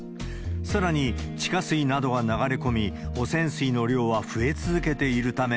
さらに、地下水などが流れ込み、汚染水の量は増え続けているため、